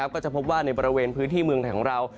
ก็จะพบว่าในบริเวณพื้นที่เมืองไทยของเรา